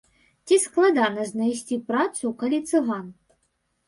Ці складана знайсці працу, калі цыган?